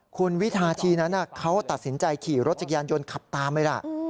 คุณวินาทีนั้นเขาตัดสินใจขี่รถจักรยานยนต์ขับตามไปล่ะ